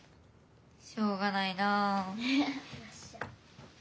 しょうがないな。